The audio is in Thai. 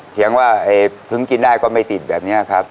เสียงว่าถึงกินได้ก็ไม่ติดแบบนี้ครับ